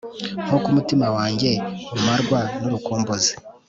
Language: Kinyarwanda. Nuko umutima wanjye umarwa nurukumbuzi